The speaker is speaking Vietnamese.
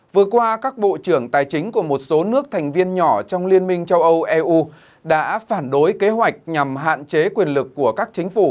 vừa qua các bộ trưởng tài chính của một số nước thành viên nhỏ trong liên minh châu âu eu đã phản đối kế hoạch nhằm hạn chế quyền lực của các chính phủ